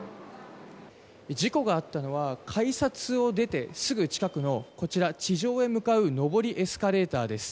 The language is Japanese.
事故が起きたのは改札を出てすぐ近くのこちら、地上へ向かう上りエスカレーターです。